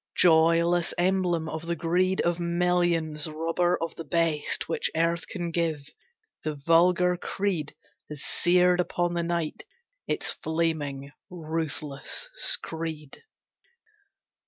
Joyless emblem of the greed Of millions, robber of the best Which earth can give, the vulgar creed Has seared upon the night its flaming ruthless screed.